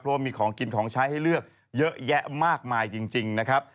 เพราะว่ามีของกินของใช้ให้เลือกเยอะแยะมากมายจริงนะครับ